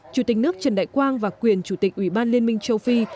chủ tịch nước trần đại quang và quyền chủ tịch ủy ban liên minh châu phi